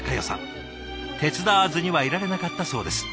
手伝わずにはいられなかったそうです。